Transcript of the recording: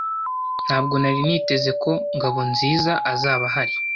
Ntabwo nari niteze ko Ngabonziza azaba ahari.